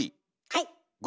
はい。